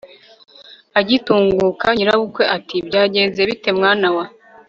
agitunguka, nyirabukwe ati byagenze bite, mwana wa